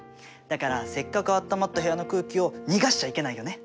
だからせっかくあったまった部屋の空気を逃がしちゃいけないよね。